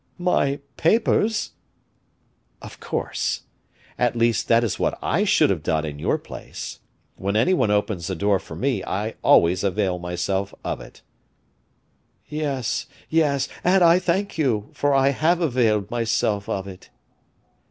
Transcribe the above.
"My papers?" "Of course; at least that is what I should have done in your place. When any one opens a door for me I always avail myself of it." "Yes, yes, and I thank you, for I have availed myself of it."